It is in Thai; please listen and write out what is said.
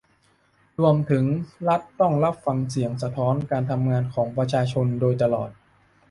รวมถึงรัฐต้องรับฟังเสียงสะท้อนการทำงานของประชาชนโดยตลอด